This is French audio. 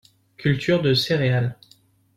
Culture de céréales.